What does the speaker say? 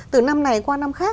từ năm này qua năm khác